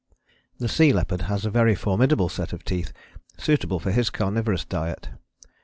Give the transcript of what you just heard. " The sea leopard has a very formidable set of teeth suitable for his carnivorous diet.